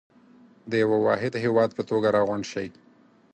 د يوه واحد هېواد په توګه راغونډ شئ.